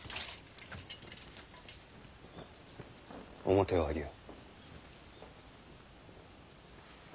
面を上げよ。